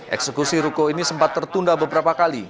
eksekusi ruko ini sempat tertunda beberapa kali